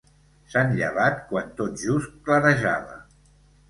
S'han llevat quan tot just clarejava.